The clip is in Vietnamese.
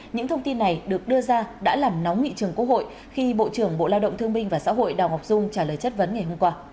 những thông tin này được đưa ra đã làm nóng nghị trường quốc hội khi bộ trưởng bộ lao động thương minh và xã hội đào ngọc dung trả lời chất vấn ngày hôm qua